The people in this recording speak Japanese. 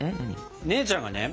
姉ちゃんがね